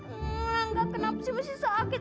enggak kenap sih masih sakit